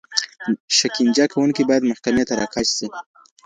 شکنجه کوونکي باید محکمې ته راکش سي.